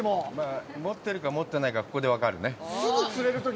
持ってるか、持ってないか、ここで分かるね。